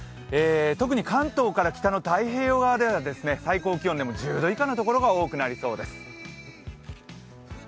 特に関東から北の太平洋側では最低気温が１０度以下のところが多くなりそうです。